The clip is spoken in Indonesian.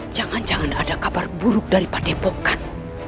jangan jangan ada kabar buruk dari pak depokan